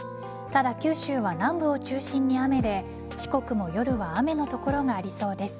ただ九州は、南部を中心に雨で四国も夜は雨の所がありそうです。